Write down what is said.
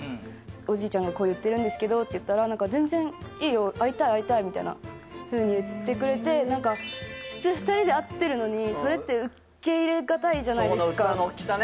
おじいちゃんがこう言ってるんですけどって言ったら何か「全然いいよ会いたい会いたい」みたいなふうに言ってくれて何か普通２人で会ってるのにそれって受け入れがたいじゃないですかそこの器の大きさね！